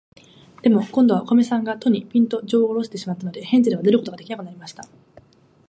でも、こんどは、おかみさんが戸に、ぴんと、じょうをおろしてしまったので、ヘンゼルは出ることができなくなりました。